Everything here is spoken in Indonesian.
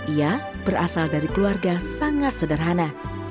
ia berasal dari keluarga sangat sederhana